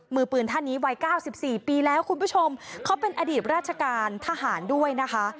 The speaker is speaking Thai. มือปืนท่านนี้วัยเก้าสิบสี่ปีแล้วคุณผู้ชมเขาเป็นอดีตราชการทหารด้วยนะคะ